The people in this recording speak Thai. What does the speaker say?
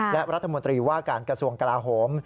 และรัฐมนตรีว่าการกระทรวงกลาโหม